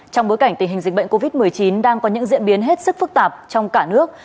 trong bối cảnh tình hình dịch bệnh covid một mươi chín đang có những diễn biến hết sức phức tạp trong cả nước